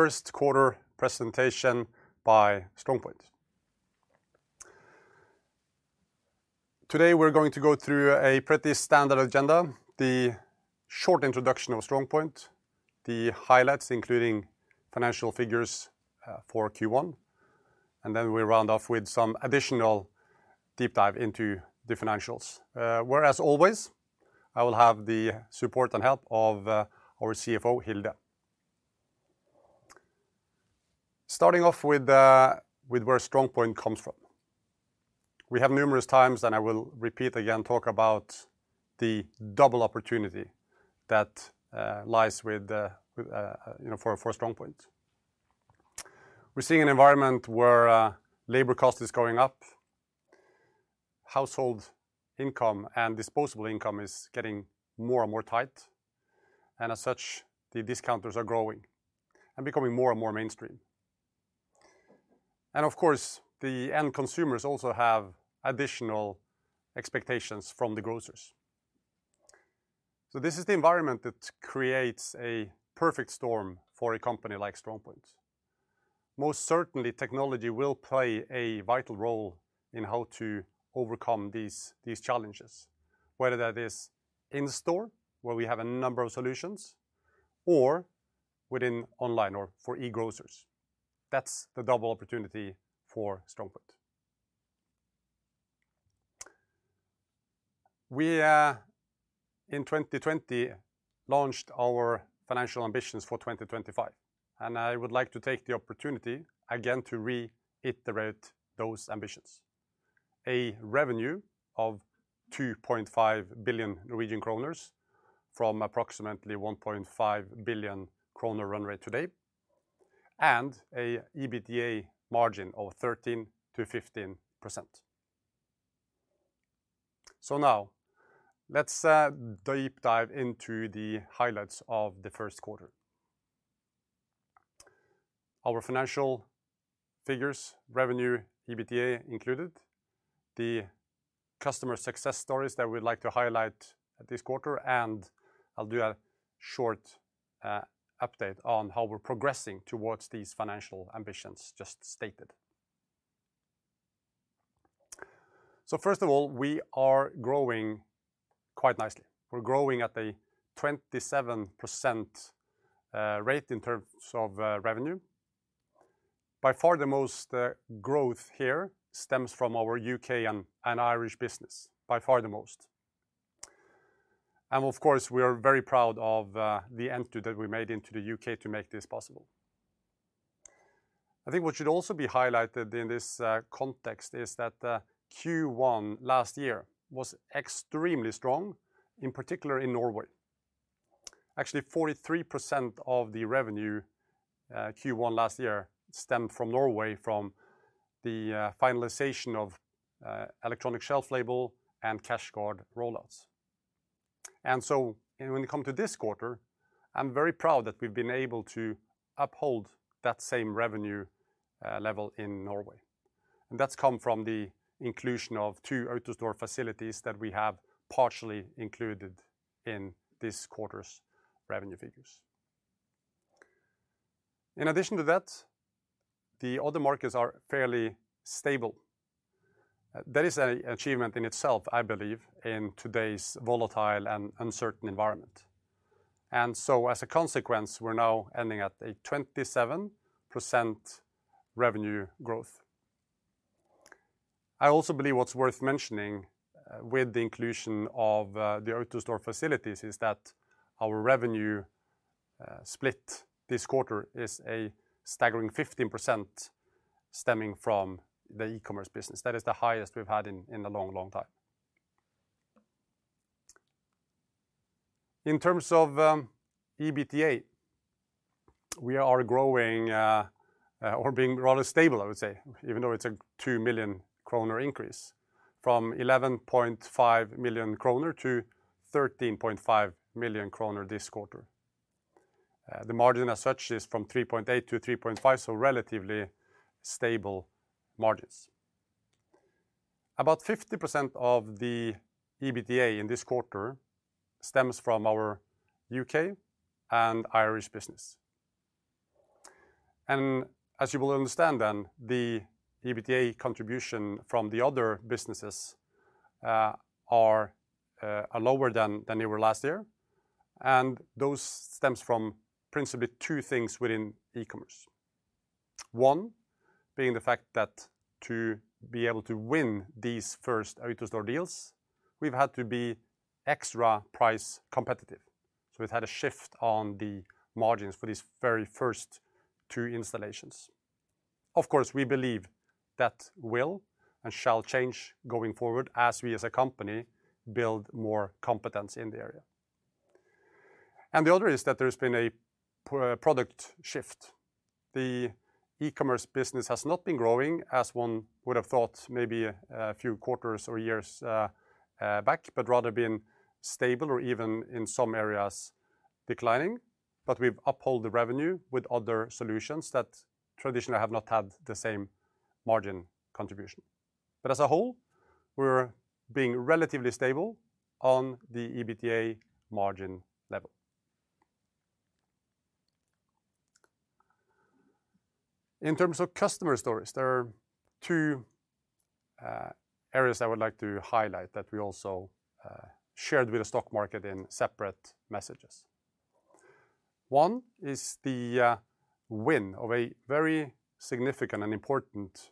First quarter presentation by StrongPoint. Today we're going to go through a pretty standard agenda, the short introduction of StrongPoint, the highlights including financial figures for Q1, and then we round off with some additional deep dive into the financials. Where as always, I will have the support and help of our CFO, Hilde. Starting off with where StrongPoint comes from. We have numerous times, and I will repeat again, talk about the double opportunity that lies with, you know, for StrongPoint. We're seeing an environment where labor cost is going up, household income and disposable income is getting more and more tight, and as such, the discounters are growing and becoming more and more mainstream. Of course, the end consumers also have additional expectations from the grocers. This is the environment that creates a perfect storm for a company like StrongPoint. Most certainly, technology will play a vital role in how to overcome these challenges, whether that is in store, where we have a number of solutions, or within online or for e-grocers. That's the double opportunity for StrongPoint. We, in 2020, launched our financial ambitions for 2025, and I would like to take the opportunity again to reiterate those ambitions. A revenue of 2.5 billion Norwegian kroner from approximately 1.5 billion kroner run rate today, and a EBITDA margin of 13%-15%. Now, let's deep dive into the highlights of the first quarter. Our financial figures, revenue, EBITDA included, the customer success stories that we'd like to highlight at this quarter, I'll do a short update on how we're progressing towards these financial ambitions just stated. First of all, we are growing quite nicely. We're growing at a 27% rate in terms of revenue. By far the most growth here stems from our U.K. and Irish business, by far the most. Of course, we are very proud of the entry that we made into the U.K. to make this possible. I think what should also be highlighted in this context is that Q1 last year was extremely strong, in particular in Norway. Actually, 43% of the revenue Q1 last year stemmed from Norway from the finalization of electronic shelf label and CashGuard rollouts. When you come to this quarter, I'm very proud that we've been able to uphold that same revenue level in Norway, and that's come from the inclusion of two AutoStore facilities that we have partially included in this quarter's revenue figures. In addition to that, the other markets are fairly stable. That is a achievement in itself, I believe, in today's volatile and uncertain environment. As a consequence, we're now ending at a 27% revenue growth. I also believe what's worth mentioning, with the inclusion of the AutoStore facilities is that our revenue split this quarter is a staggering 15% stemming from the e-commerce business. That is the highest we've had in a long, long time. In terms of EBITDA, we are growing or being rather stable, I would say, even though it's a 2 million kroner increase from 11.5 million-13.5 million kroner this quarter. The margin as such is from 3.8%-3.5%, so relatively stable margins. About 50% of the EBITDA in this quarter stems from our U.K. and Irish business. As you will understand then, the EBITDA contribution from the other businesses are lower than they were last year, and those stems from principally two things within e-commerce. One being the fact that to be able to win these first AutoStore deals, we've had to be extra price competitive, so we've had a shift on the margins for these very first two installations. Of course, we believe that will and shall change going forward as we as a company build more competence in the area. The other is that there's been a pro-product shift. The e-commerce business has not been growing as one would have thought maybe a few quarters or years back, but rather been stable or even in some areas declining, but we've uphold the revenue with other solutions that traditionally have not had the same margin contribution. As a whole. We're being relatively stable on the EBITDA margin level. In terms of customer stories, there are two areas I would like to highlight that we also shared with the stock market in separate messages. One is the win of a very significant and important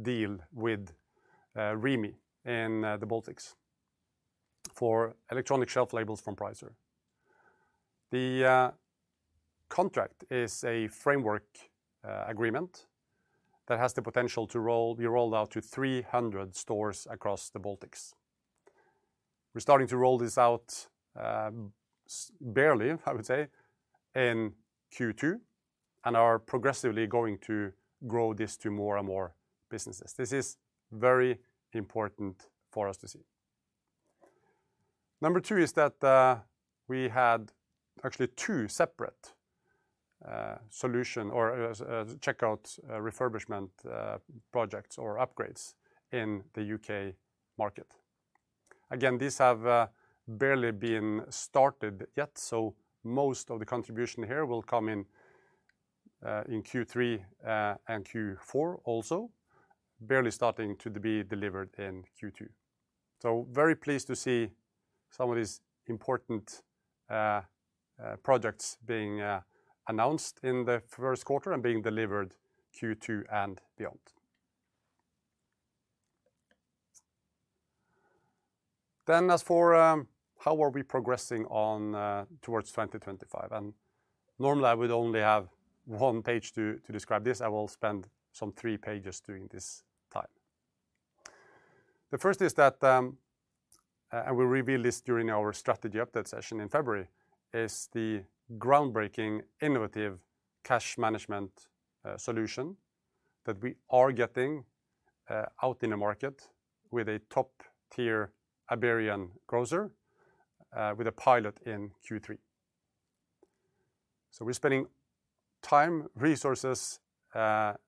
deal with Rimi in the Baltics for electronic shelf labels from Pricer. The contract is a framework agreement that has the potential to be rolled out to 300 stores across the Baltics. We're starting to roll this out, barely, I would say, in Q2, and are progressively going to grow this to more and more businesses. This is very important for us to see. Number two is that we had actually two separate solution or checkout refurbishment projects or upgrades in the U.K. market. Again, these have barely been started yet, so most of the contribution here will come in in Q3 and Q4 also, barely starting to be delivered in Q2. Very pleased to see some of these important projects being announced in the 1st quarter and being delivered Q2 and beyond. How are we progressing on towards 2025, and normally I would only have one page to describe this. I will spend some three pages during this time. The first is that, and we revealed this during our strategy update session in February, is the groundbreaking innovative cash management solution that we are getting out in the market with a top-tier Iberian grocer with a pilot in Q3. We're spending time, resources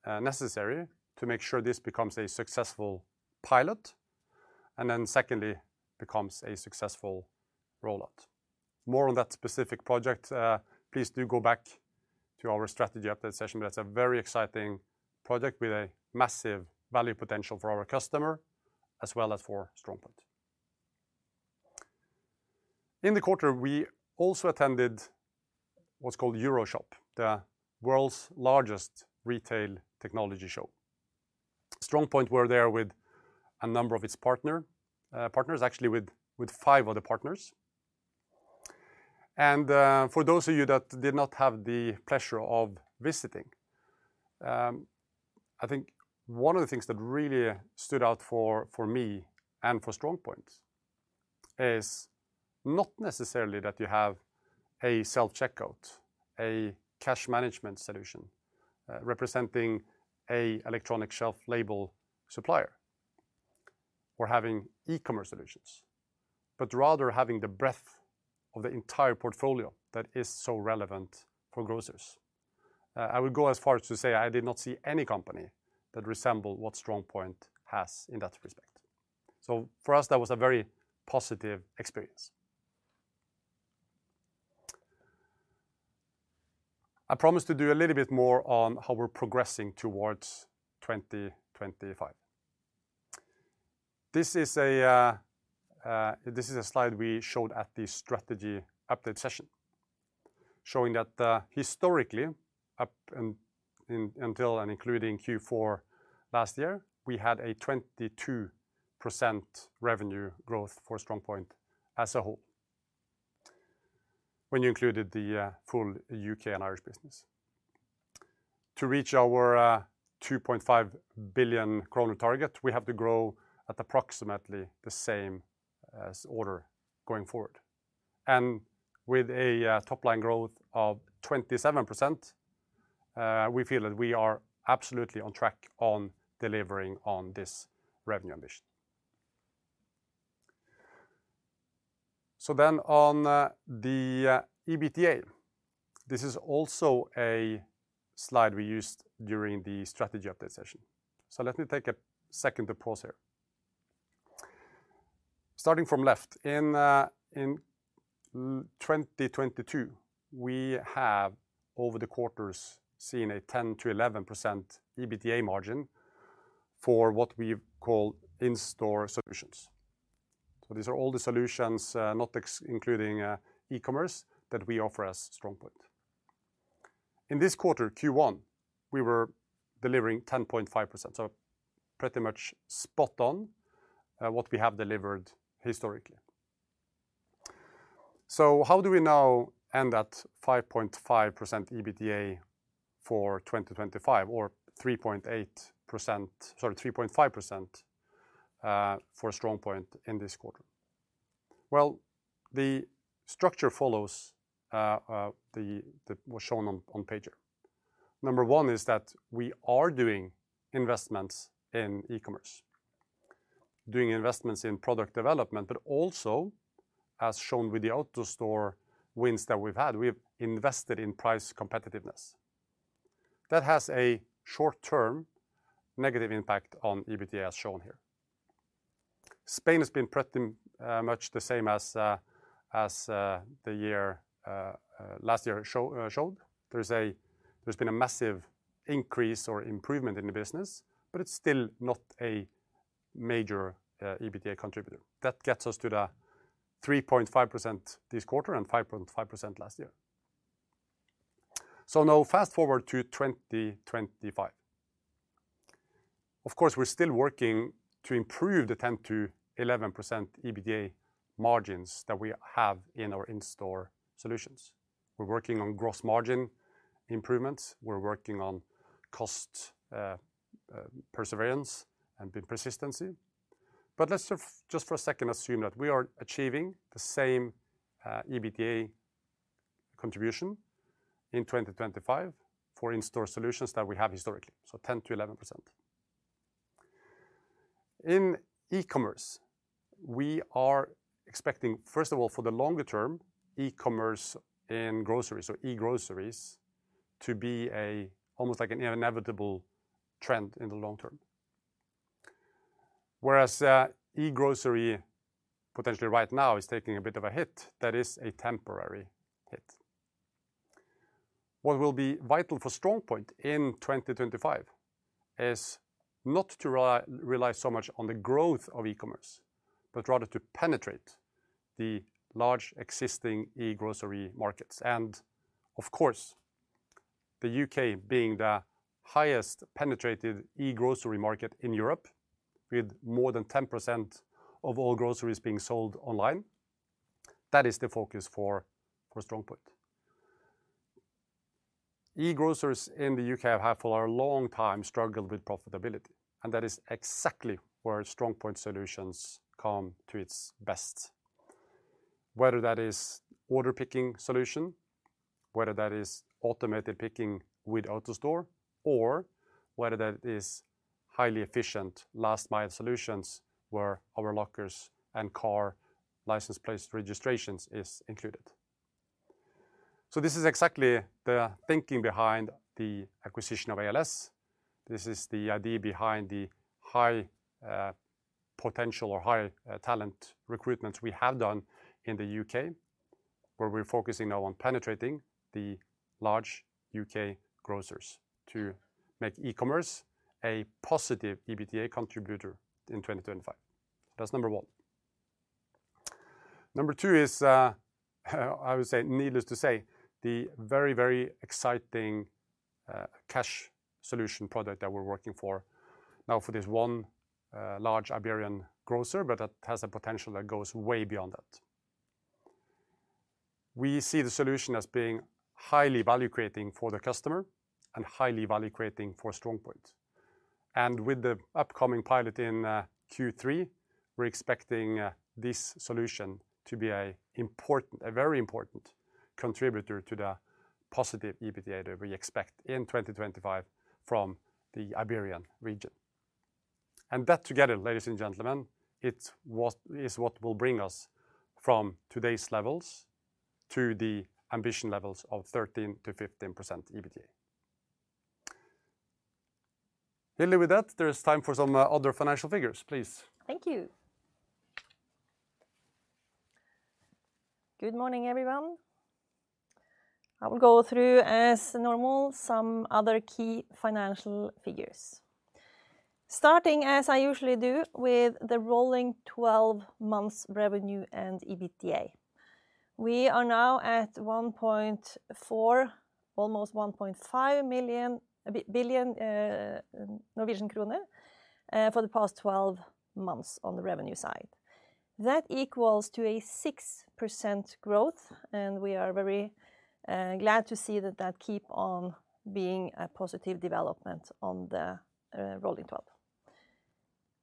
necessary to make sure this becomes a successful pilot, and then secondly, becomes a successful rollout. More on that specific project, please do go back to our strategy update session, that's a very exciting project with a massive value potential for our customer, as well as for StrongPoint. In the quarter, we also attended what's called EuroShop, the world's largest retail technology show. StrongPoint were there with a number of its partner, partners, actually with five of the partners. For those of you that did not have the pleasure of visiting, I think one of the things that really stood out for me and for StrongPoint is not necessarily that you have a self-checkout, a cash management solution, representing a electronic shelf label supplier, or having e-commerce solutions, but rather having the breadth of the entire portfolio that is so relevant for grocers. I would go as far as to say I did not see any company that resemble what StrongPoint has in that respect. For us, that was a very positive experience. I promise to do a little bit more on how we're progressing towards 2025. This is a slide we showed at the strategy update session, showing that historically until and including Q4 last year, we had a 22% revenue growth for StrongPoint as a whole when you included the full U.K. and Irish business. To reach our 2.5 billion kroner target, we have to grow at approximately the same order going forward. With a top-line growth of 27%, we feel that we are absolutely on track on delivering on this revenue ambition. On the EBITDA, this is also a slide we used during the strategy update session. Let me take a second to pause here. Starting from left, in 2022, we have, over the quarters, seen a 10%-11% EBITDA margin for what we've called in-store solutions. These are all the solutions, not including e-commerce, that we offer as StrongPoint. In this quarter, Q1, we were delivering 10.5%, pretty much spot on what we have delivered historically. How do we now end at 5.5% EBITDA for 2025 or 3.8%-- sorry, 3.5%, for StrongPoint in this quarter? The structure follows the that was shown on page here. Number one is that we are doing investments in e-commerce, doing investments in product development, but also, as shown with the AutoStore wins that we've had, we've invested in price competitiveness. That has a short-term negative impact on EBITDA as shown here. Spain has been pretty much the same as the year last year showed. There's been a massive increase or improvement in the business, but it's still not a major EBITDA contributor. That gets us to the 3.5% this quarter and 5.5% last year. Now fast-forward to 2025. Of course, we're still working to improve the 10%-11% EBITDA margins that we have in our in-store solutions. We're working on gross margin improvements. We're working on cost perseverance and persistency. Let's just for a second assume that we are achieving the same EBITDA contribution in 2025 for in-store solutions that we have historically, so 10%-11%. In e-commerce, we are expecting, first of all, for the longer term, e-commerce in groceries or e-groceries to be almost like an inevitable trend in the long term. Whereas e-grocery potentially right now is taking a bit of a hit, that is a temporary hit. What will be vital for StrongPoint in 2025 is not to rely so much on the growth of e-commerce, but rather to penetrate the large existing e-grocery markets. Of course, the U.K. being the highest penetrated e-grocery market in Europe, with more than 10% of all groceries being sold online, that is the focus for StrongPoint. E-grocers in the U.K. have for a long time struggled with profitability. That is exactly where StrongPoint solutions come to its best, whether that is order picking solution, whether that is automated picking with AutoStore, or whether that is highly efficient last mile solutions where our lockers and car license plate registrations is included. This is exactly the thinking behind the acquisition of ALS. This is the idea behind the high potential or high talent recruitment we have done in the U.K., where we're focusing now on penetrating the large U.K. grocers to make e-commerce a positive EBITDA contributor in 2025. That's number one. Number two is, I would say, needless to say, the very, very exciting cash solution product that we're working for now for this one large Iberian grocer. That has the potential that goes way beyond that. We see the solution as being highly value-creating for the customer and highly value-creating for StrongPoint. With the upcoming pilot in Q3, we're expecting this solution to be a very important contributor to the positive EBITDA that we expect in 2025 from the Iberian region. That together, ladies and gentlemen, is what will bring us from today's levels to the ambition levels of 13%-15% EBITDA. Hilde, with that, there is time for some other financial figures, please. Thank you. Good morning, everyone. I will go through as normal some other key financial figures. Starting as I usually do with the rolling 12 months revenue and EBITDA. We are now at 1.4 billion, almost 1.5 billion Norwegian kroner for the past 12 months on the revenue side. That equals to a 6% growth, and we are very glad to see that that keep on being a positive development on the rolling 12.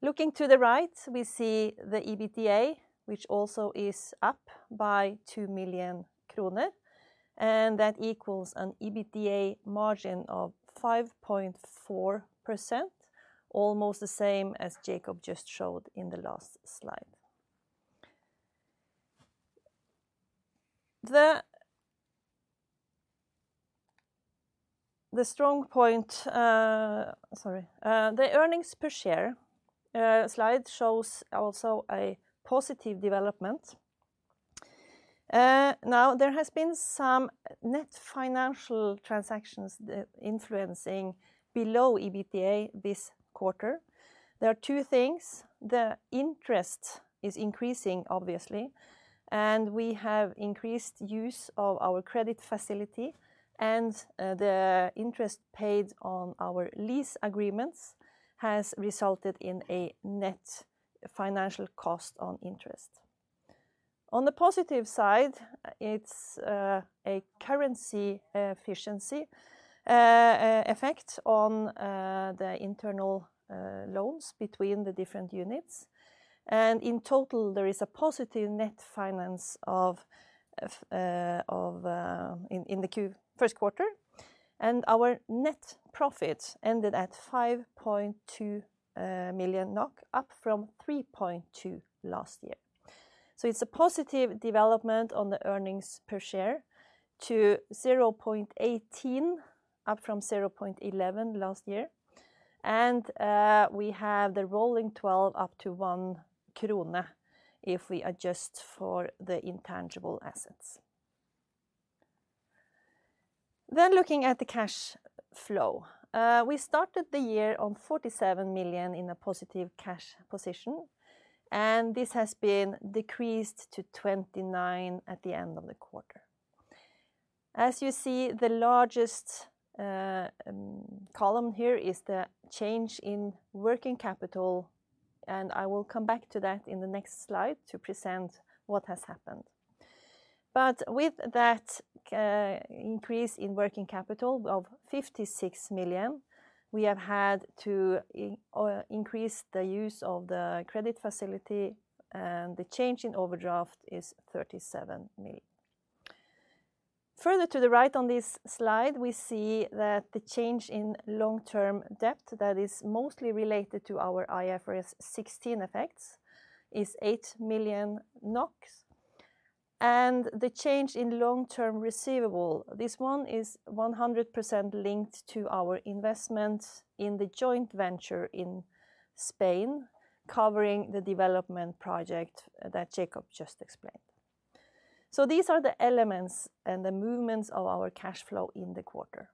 Looking to the right, we see the EBITDA, which also is up by 2 million kroner, and that equals an EBITDA margin of 5.4%, almost the same as Jacob just showed in the last slide. The StrongPoint, sorry. The earnings per share slide shows also a positive development. Now there has been some net financial transactions influencing below EBITDA this quarter. There are two things. The interest is increasing, obviously, and we have increased use of our credit facility, and the interest paid on our lease agreements has resulted in a net financial cost on interest. On the positive side, it's a currency efficiency effect on the internal loans between the different units. In total, there is a positive net finance of in the Q first quarter, and our net profit ended at 5.2 million NOK, up from 3.2 last year. It's a positive development on the earnings per share to 0.18, up from 0.11 last year. We have the rolling twelve up to 1 krone if we adjust for the intangible assets. Looking at the cash flow. We started the year on 47 million in a positive cash position, and this has been decreased to 29 million at the end of the quarter. As you see, the largest column here is the change in working capital, and I will come back to that in the next slide to present what has happened. With that increase in working capital of 56 million, we have had to increase the use of the credit facility, and the change in overdraft is 37 million. Further to the right on this slide, we see that the change in long-term debt that is mostly related to our IFRS 16 effects is 8 million NOK. The change in long-term receivable, this one is 100% linked to our investment in the joint venture in Spain, covering the development project that Jacob just explained. These are the elements and the movements of our cash flow in the quarter.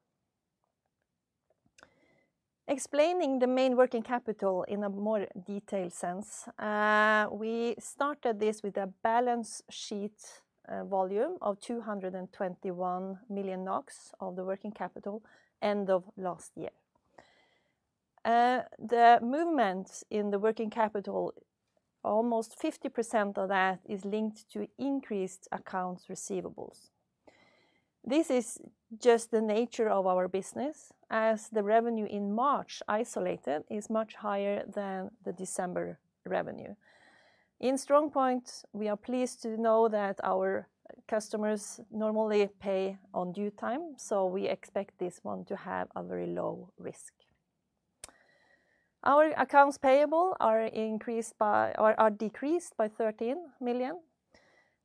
Explaining the main working capital in a more detailed sense, we started this with a balance sheet volume of 221 million NOK of the working capital end of last year. The movement in the working capital, almost 50% of that is linked to increased accounts receivables. This is just the nature of our business, as the revenue in March isolated is much higher than the December revenue. In StrongPoint, we are pleased to know that our customers normally pay on due time, so we expect this one to have a very low risk. Our accounts payable are increased by or are decreased by 13 million,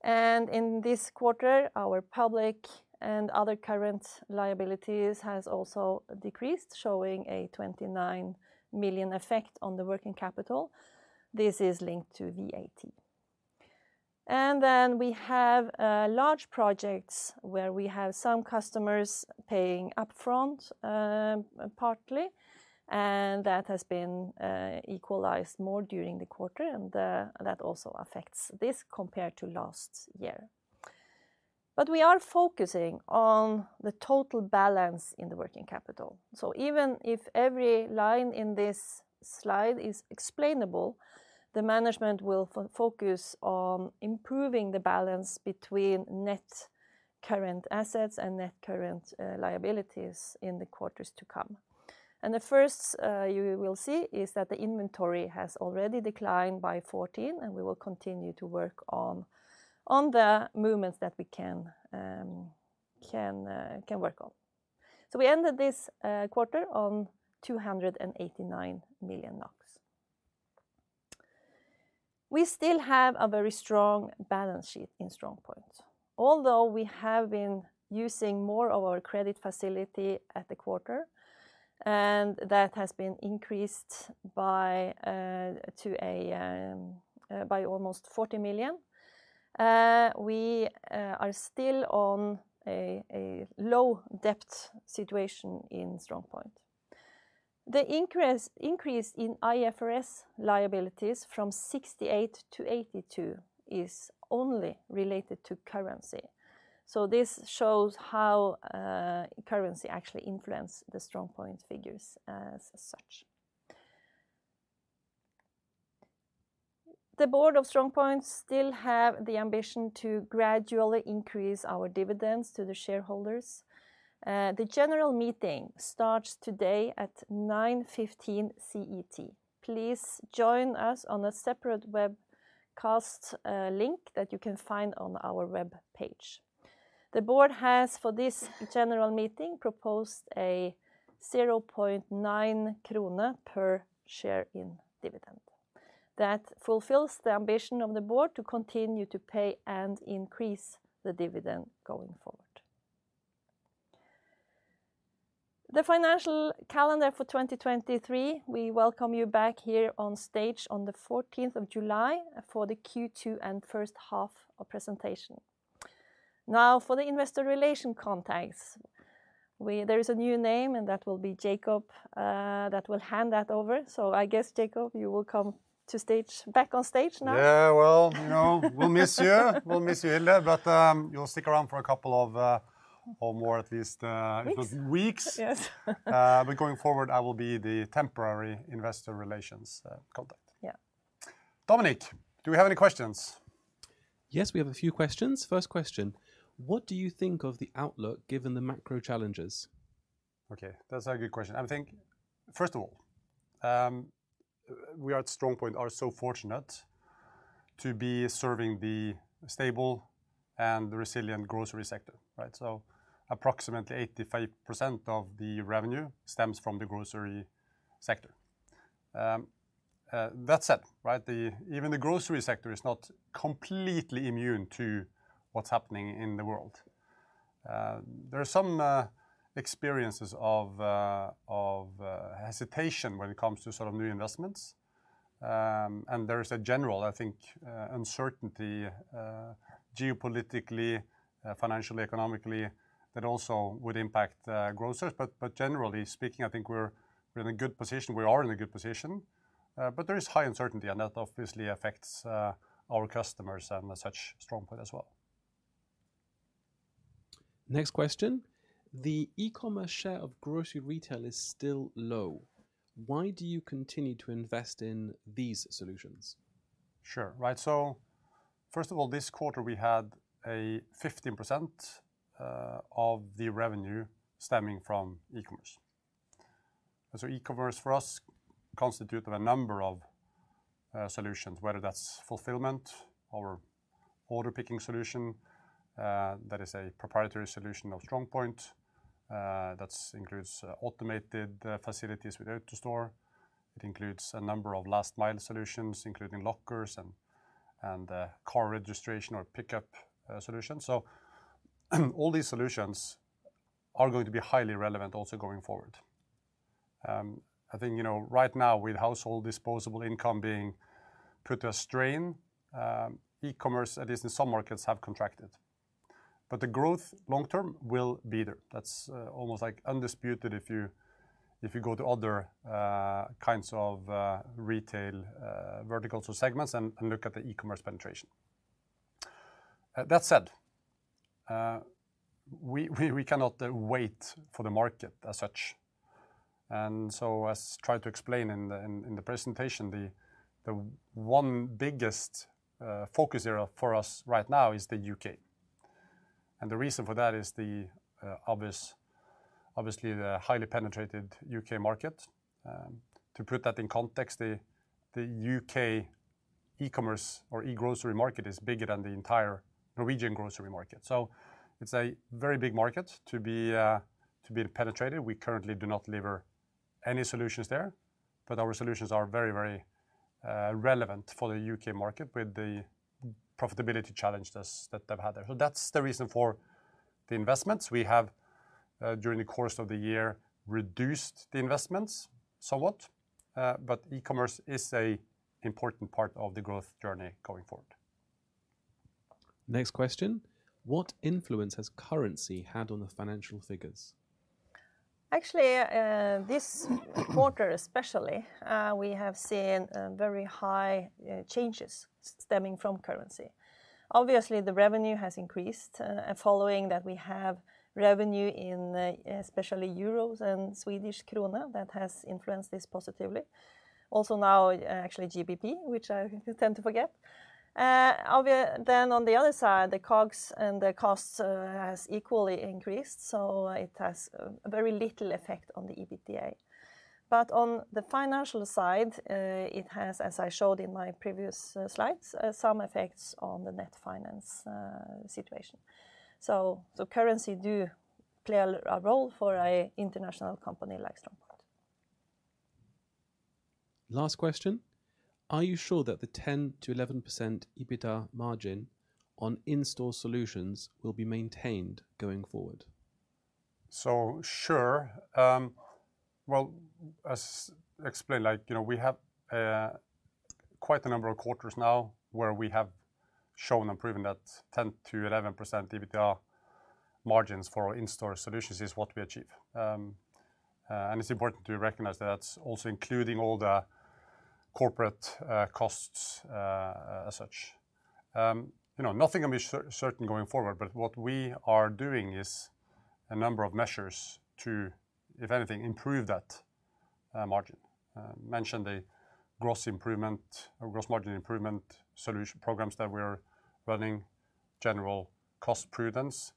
in this quarter, our public and other current liabilities has also decreased, showing a 29 million effect on the working capital. This is linked to VAT. Then we have large projects where we have some customers paying upfront, partly, and that has been equalized more during the quarter, and that also affects this compared to last year. We are focusing on the total balance in the working capital. Even if every line in this slide is explainable, the management will focus on improving the balance between net current assets and net current liabilities in the quarters to come. The first you will see is that the inventory has already declined by 14, and we will continue to work on the movements that we can work on. We ended this quarter on 289 million NOK. We still have a very strong balance sheet in StrongPoint. Although we have been using more of our credit facility at the quarter, and that has been increased by to a by almost 40 million, we are still on a low debt situation in StrongPoint. The increase in IFRS liabilities from 68 to 82 is only related to currency. This shows how currency actually influence the StrongPoint figures as such. The board of StrongPoint still have the ambition to gradually increase our dividends to the shareholders. The general meeting starts today at 9:15 A.M. CET. Please join us on a separate webcast link that you can find on our webpage. The board has, for this general meeting, proposed a 0.9 krone per share in dividend. That fulfills the ambition of the board to continue to pay and increase the dividend going forward. The financial calendar for 2023, we welcome you back here on stage on the 14th of July for the Q2 and first half of presentation. For the investor relation contacts, we there is a new name, and that will be Jacob that will hand that over. I guess, Jacob, you will come to stage, back on stage now. Yeah, well, you know, we'll miss you. We'll miss you, Hilde, but, you'll stick around for a couple of, or more at least. Weeks. Weeks. Yes. Going forward, I will be the temporary investor relations contact. Yeah. Dominic, do we have any questions? Yes, we have a few questions. First question: What do you think of the outlook given the macro challenges? Okay, that's a good question. I think, first of all, we at StrongPoint are so fortunate to be serving the stable and the resilient grocery sector, right? Approximately 85% of the revenue stems from the grocery sector. That said, right, even the grocery sector is not completely immune to what's happening in the world. There are some experiences of hesitation when it comes to sort of new investments. There is a general, I think, uncertainty, geopolitically, financially, economically, that also would impact grocers. Generally speaking, I think we're in a good position. We are in a good position, but there is high uncertainty, and that obviously affects our customers and as such, StrongPoint as well. Next question. The e-commerce share of grocery retail is still low. Why do you continue to invest in these solutions? Sure. Right. First of all, this quarter we had a 15% of the revenue stemming from e-commerce. E-commerce for us constitute of a number of solutions, whether that's fulfillment or order picking solution, that is a proprietary solution of StrongPoint, that's includes automated facilities with AutoStore. It includes a number of last mile solutions, including lockers and car registration or pickup solutions. All these solutions are going to be highly relevant also going forward. I think, you know, right now with household disposable income being put a strain, e-commerce, at least in some markets, have contracted. The growth long-term will be there. That's almost like undisputed if you go to other kinds of retail verticals or segments and look at the e-commerce penetration. That said, we cannot wait for the market as such. As tried to explain in the presentation, the one biggest focus area for us right now is the U.K. The reason for that is obviously the highly penetrated U.K. market. To put that in context, the U.K. e-commerce or e-grocery market is bigger than the entire Norwegian grocery market. It's a very big market to be penetrated. We currently do not deliver any solutions there, but our solutions are very relevant for the U.K. market with the profitability challenge that's, that they've had there. That's the reason for the investments. We have during the course of the year reduced the investments somewhat, but e-commerce is a important part of the growth journey going forward. Next question. What influence has currency had on the financial figures? Actually, this quarter especially, we have seen very high changes stemming from currency. Obviously, the revenue has increased. Following that we have revenue in especially euros and Swedish krona that has influenced this positively. Also now actually GBP, which I tend to forget. Then on the other side, the COGS and the costs, has equally increased, so it has very little effect on the EBITDA. On the financial side, it has, as I showed in my previous slides, some effects on the net finance situation. Currency do play a role for a international company like StrongPoint. Last question. Are you sure that the 10%-11% EBITDA margin on in-store solutions will be maintained going forward? Sure, well, as explained, like, you know, we have quite a number of quarters now where we have shown and proven that 10%-11% EBITDA margins for our in-store solutions is what we achieve. It's important to recognize that's also including all the corporate costs as such. You know, nothing can be certain going forward, what we are doing is a number of measures to, if anything, improve that margin. Mentioned the gross improvement or gross margin improvement solution programs that we're running, general cost prudence,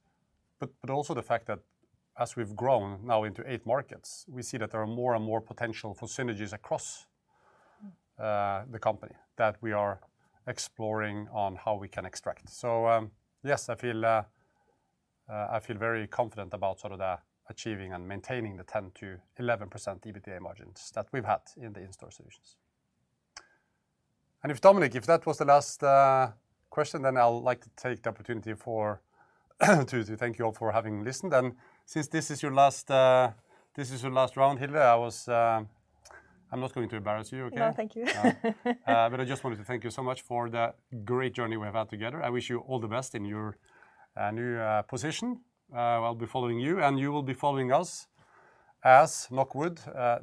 but also the fact that as we've grown now into eight markets, we see that there are more and more potential for synergies across the company that we are exploring on how we can extract. Yes, I feel I feel very confident about sort of the achieving and maintaining the 10%-11% EBITDA margins that we've had in the in-store solutions. If Dominic, if that was the last question, I'll like to take the opportunity for to thank you all for having listened. Since this is your last round, Hilde, I was I'm not going to embarrass you, okay? No, thank you. I just wanted to thank you so much for the great journey we've had together. I wish you all the best in your new position. I'll be following you, and you will be following us as, knock wood,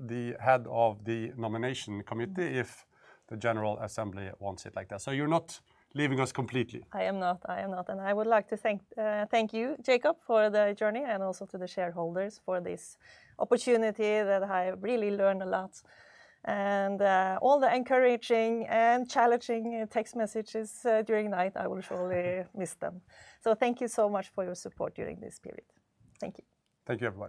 the head of the nomination committee if the general assembly wants it like that. You're not leaving us completely. I am not. I am not. I would like to thank you, Jacob, for the journey and also to the shareholders for this opportunity that I really learned a lot and all the encouraging and challenging text messages during night, I will surely miss them. Thank you so much for your support during this period. Thank you. Thank you everyone.